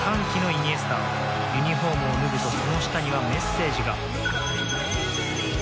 ユニホームを脱ぐとその下にはメッセージが。